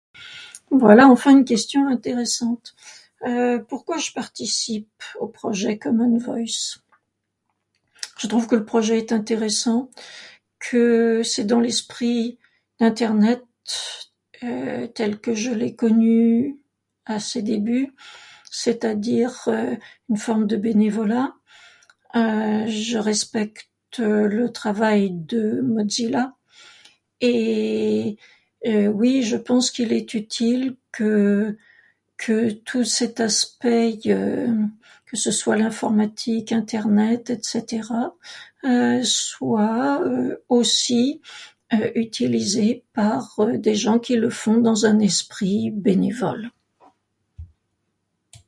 Voilà enfin une question intéressante. Euh... pourquoi je participe au projet Common Voice ? Je trouve que le projet est intéressant, que c'est dans l'esprit Internet tel que je l'ai connu à ses débuts, c'est-à-dire une forme de bénévolat, euh... je respecte le travail de Mozilla, et oui, je pense qu'il est utile que, que tout cet aspect, que ce soit l'informatique, internet, etc... soit aussi utilisé par des gens qui le font dans un esprit bénévole.